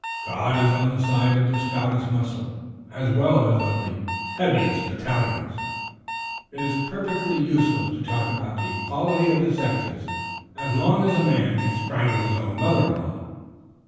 God is on the side of the stoutest muscle as well as of the heaviest battalions. It is perfectly useless to talk about the equality of the sexes as long as a man can strangle his own mother in law.